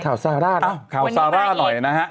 อ่ะข่าวซาร่าหน่อยนะฮะ